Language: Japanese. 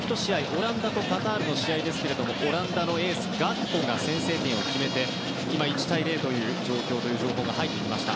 オランダとカタールの試合ではオランダのエース、ガクポが先制点を決めて１対０という状況の情報が入ってきました。